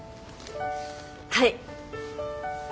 はい。